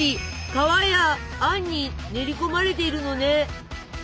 皮やあんに練り込まれているのね。